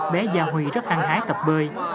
bé gia huy rất hăng hái tập bơi